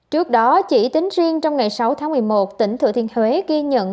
trước đó chỉ tính riêng trong ngày sáu tháng một mươi một tỉnh thừa thiên huế ghi nhận